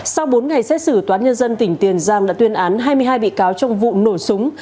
sau bốn ngày xét xử toán nhân dân tỉnh tiền giang đã tuyên án hai mươi hai bị cáo trong vụ nổ súng